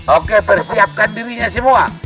oke persiapkan dirinya semua